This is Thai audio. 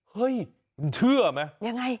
เฮ้ยมันเชื่อไหมยังไง